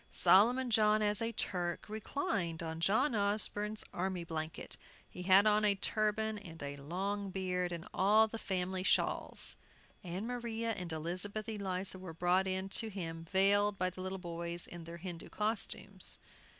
Solomon John, as a Turk, reclined on John Osborne's army blanket. He had on a turban, and a long beard, and all the family shawls. Ann Maria and Elizabeth Eliza were brought in to him, veiled, by the little boys in their Hindoo costumes.